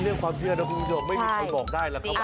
เถือนคุณผู้ชมไม่มีทางบอกได้แหละค่ะว่าใช่